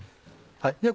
では